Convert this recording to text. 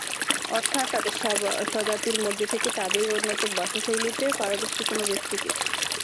অর্থাৎ তাদের স্বজাতির মধ্য থেকে তাদেরই উন্নত ভাষাশৈলীতে পারদর্শী কোন ব্যক্তিকে।